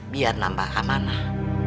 biar nambah amanah